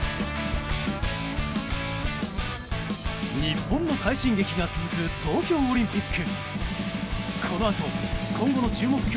日本の快進撃が続く東京オリンピック。